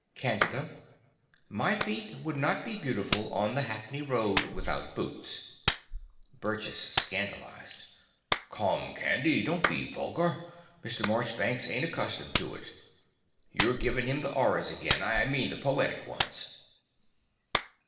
CANDIDA. My feet would not be beautiful on the Hackney Road without boots. BURGESS (scandalized). Come, Candy, don't be vulgar. Mr. Morchbanks ain't accustomed to it. You're givin' him the 'orrors again. I mean the poetic ones.